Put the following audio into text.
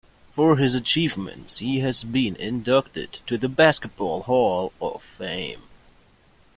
For his achievements, he has been inducted to the Basketball Hall of Fame.